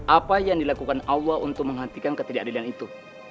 apa yang dilakukan allah untuk menghentikan ketidakadilan itu